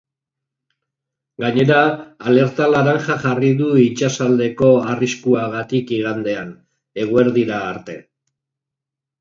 Gainera, alerta laranja jarri du itsasaldeko arriskuagatik igandean, eguerdira arte.